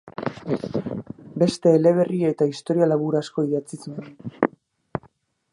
Beste eleberri eta historia labur asko idatzi zuen.